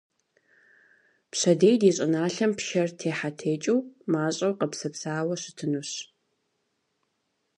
Пщэдей ди щӏыналъэм пшэр техьэтекӏыу, мащӏэу къепсэпсауэу щытынущ.